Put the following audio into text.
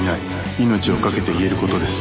命をかけて言えることです」。